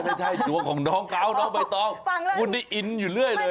ไม่ใช่ดวงของน้องเขาน้องใบตองฟังแล้วคุณนี่อินอยู่เรื่อยเลย